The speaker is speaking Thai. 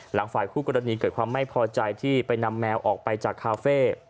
ฝ่ายคู่กรณีเกิดความไม่พอใจที่ไปนำแมวออกไปจากคาเฟ่